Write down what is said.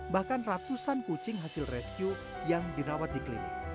bahkan ratusan kucing hasil rescue yang dirawat di klinik